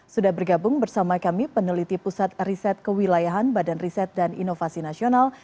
sudah bergabung bersama kami peneliti pusat riset kewilayahan badan riset dan inovasi nasional